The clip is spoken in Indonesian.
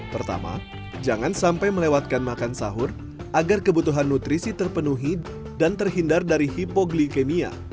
pertama jangan sampai melewatkan makan sahur agar kebutuhan nutrisi terpenuhi dan terhindar dari hipoglikemia